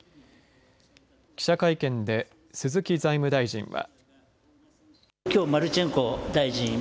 記者会見で鈴木財務大臣は。